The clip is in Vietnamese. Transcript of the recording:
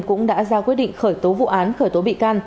cũng đã ra quyết định khởi tố vụ án khởi tố bị can